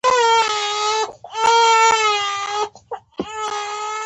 سر يې پورته خوا راقات کړ.